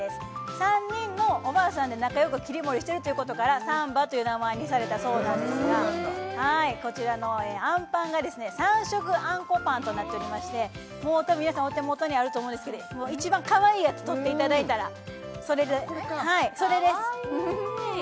３人のおばあさんで仲よく切り盛りしてるということから「ＳＡＭＢＡ」という名前にされたそうなんですがこちらのあんパンが３色あんこぱんとなっておりまして皆さんお手元にあると思うんですけど一番かわいいやつ取っていただいたらそれでこれか！